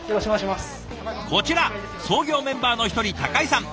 こちら創業メンバーの一人井さん。